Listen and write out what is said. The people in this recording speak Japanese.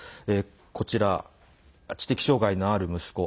こちら、知的障害のある息子